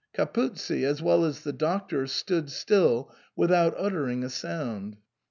Capuzzi, as well as the Doctor, stood still without uttering a sound.